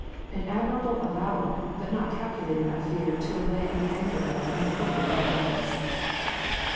" An admirable avowal, but not calculated, I fear, to allay the anger of "No Popery" fanatics.